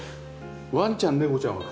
ワンちゃん猫ちゃんは。